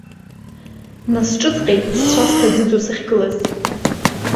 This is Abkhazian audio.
Насҿыҵҟьеит, сцәа сҭаӡыӡо сахьгылаз.